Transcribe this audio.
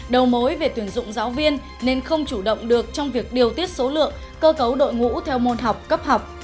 đầu mối về tuyển dụng giáo viên nên không chủ động được trong việc điều tiết số lượng cơ cấu đội ngũ theo môn học cấp học